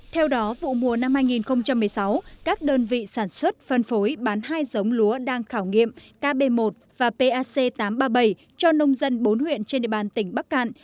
theo đó vụ mùa năm hai nghìn một mươi sáu các đơn vị sản xuất phân phối bán hai giống lúa đang khảo nghiệm kb một và pac tám trăm ba mươi bảy cho nông dân bốn huyện trên địa bàn tỉnh bắc cạn